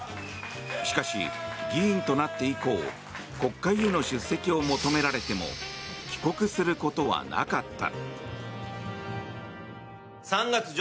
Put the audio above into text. しかし、議員となって以降国会への出席を求められても帰国することはなかった。